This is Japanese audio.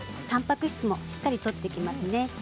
たんぱく質もしっかりとっていきますね。